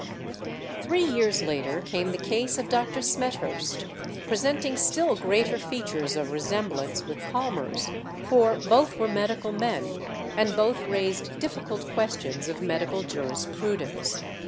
Three years later came the case of Dr. Smethurst, presenting still greater features of resemblance with Palmer's, for both were medical men, and both raised difficult questions of medical jurisprudence.